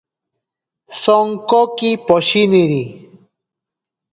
Sonkoki poshiniri.